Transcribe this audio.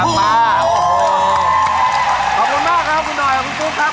ขอบคุณมากครับคุณหน่อยขอบคุณฟุ๊กครับ